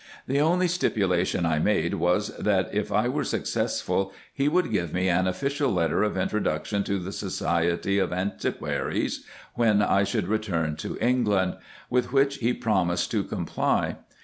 The only sti pulation I made was, that, if I were successful, he should give me an official letter of introduction to the Society of Antiquaries, when 186 RESEARCHES AND OPERATIONS I should return to England ; with which he promised to comply.